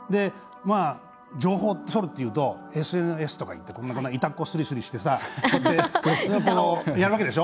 情報を取るっていうとＳＮＳとか、板をすりすりしてやるわけでしょ。